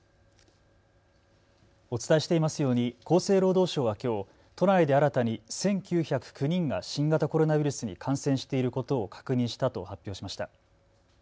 お伝えしていますように厚生労働省はきょう都内で新たに１９０９人が新型コロナウイルスに感染していることを確認したと発表しました。